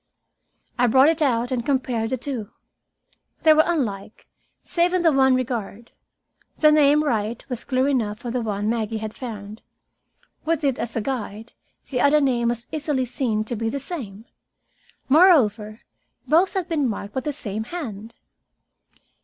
I brought it out and compared the two. They were unlike, save in the one regard. The name "Wright" was clear enough on the one Maggie had found. With it as a guide, the other name was easily seen to be the same. Moreover, both had been marked by the same hand.